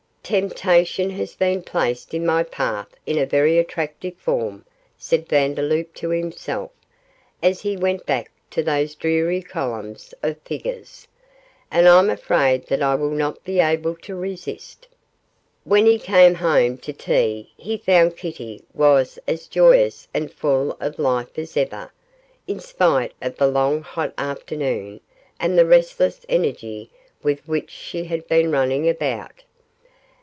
'Temptation has been placed in my path in a very attractive form,' said Vandeloup to himself, as he went back to those dreary columns of figures, 'and I'm afraid that I will not be able to resist.' When he came home to tea he found Kitty was as joyous and full of life as ever, in spite of the long hot afternoon and the restless energy with which she had been running about.